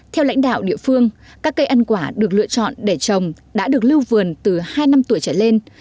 theo lãnh đạo địa phương các cây ăn quả được lựa chọn để trồng đã được lưu vườn từ hai năm tuổi trở lên